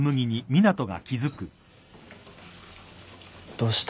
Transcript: どうした？